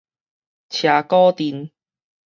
車鼓陣